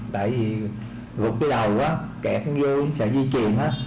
tại vì gục cái đầu á kẹt vô sợ di truyền á